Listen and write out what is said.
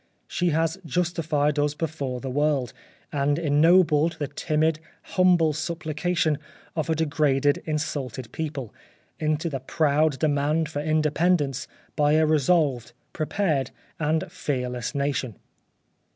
She has justified us before the world, and ennobled the timid, humble supplication of a degraded, in sulted people, into the proud demand for inde pendence by a resolved, prepared, and fearless Nation.